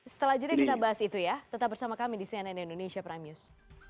setelah jeda kita bahas itu ya tetap bersama kami di cnn indonesia prime news